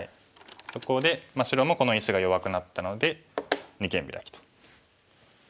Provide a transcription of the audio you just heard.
そこで白もこの石が弱くなったので二間ビラキと。